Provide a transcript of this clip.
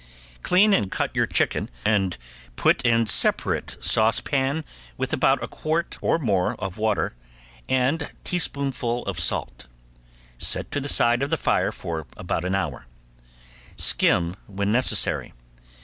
Clean and cut your chicken up and put in separate saucepan with about a quart or more of water and teaspoonful of salt; set to the side of the fire for about an hour; skim when necessary.